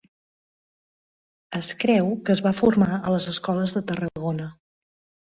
Es creu que es va formar a les escoles de Tarragona.